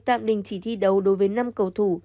tạm đình chỉ thi đấu đối với năm cầu thủ